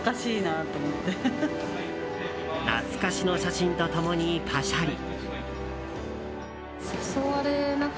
懐かしの写真と共にパシャリ。